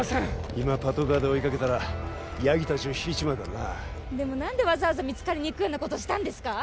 今パトカーで追いかけたらヤギ達をひいちまうからなでも何でわざわざ見つかりにいくようなことしたんですか？